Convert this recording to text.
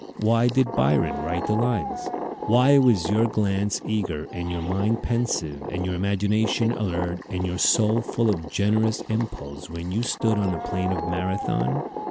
Why did Byron write the lines? Why was your glance eager and your mind pensive and your imagination alert and your soul full of generous impulse when you stood on the plain of Marathon?